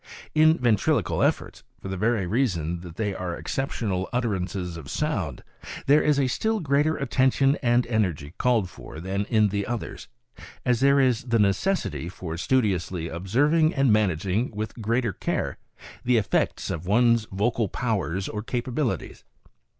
In ventriloquial efforts, for the very reason that they are exceptional utterances of sounds, there is a still greater attention and energy called for than in the others, as there is the necessity for studiously observing and managing with greater care the effects of one's vocal powers or capabilities.